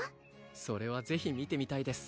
それはぜひ見てみたいです